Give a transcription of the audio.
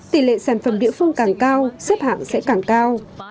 tỷ lệ sản phẩm địa phương càng cao xếp hạng sẽ càng cao